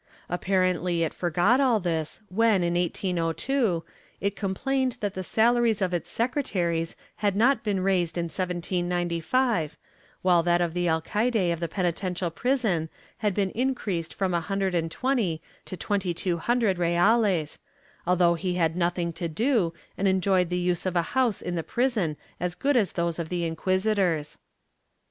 Apparently it forgot all this when, in 1802, it complained that the salaries of its secretaries had not been raised in 1795, while that of the alcaide of the penitential prison had been increased from a hundred and twenty to twenty two hundred reales, although he had nothing to do, and enjoyed the use of a house in the prison as good as those of the inquisitors.